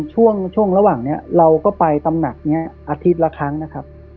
ช่วงระหว่างนี้เราก็ไปตำหนักนี้อาทิตย์ละครั้งนะครับ